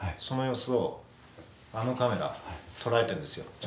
その様子をあのカメラ捉えてるんですよ。